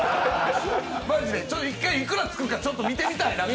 マジで１回、いくらつくか見てみたい。